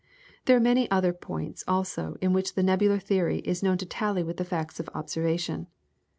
There are many other points also in which the nebular theory is known to tally with the facts of observation.